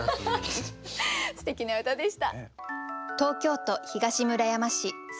すてきな歌でした。